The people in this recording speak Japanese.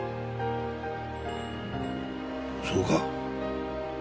そうか。